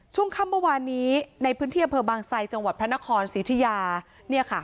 ช่วงค่ำเมื่อวานนี้ในพื้นเที่ยงเผลอบางไซด์จังหวัดพระนครศรีธิยาเนี่ยค่ะ